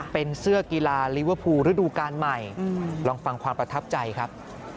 เป็นเสื้อกีฬาลิเวอร์พูลฤดูการใหม่ลองฟังความประทับใจครับ